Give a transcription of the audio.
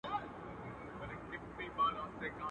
پخواني خلک ساده کورونه لرل